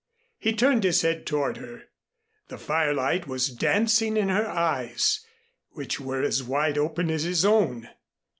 He turned his head toward her. The firelight was dancing in her eyes, which were as wide open as his own.